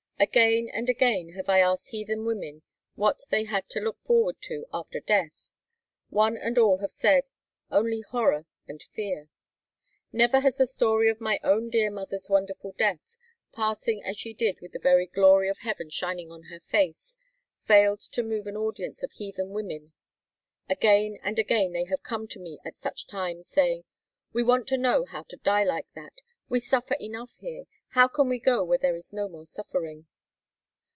Again and again have I asked heathen women what they had to look forward to after death; one and all have said, only horror and fear. Never has the story of my own dear Mother's wonderful death, passing as she did with the very Glory of heaven shining on her face, failed to move an audience of heathen women: again and again have they come to me at such times saying, "We want to know how to die like that. We suffer enough here, how can we go where there is no more suffering?"